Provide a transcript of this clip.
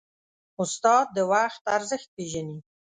استاد د وخت ارزښت پېژني.